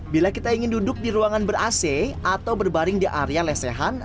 bila kita ingin duduk di ruangan ber ac atau berbaring di area lesehan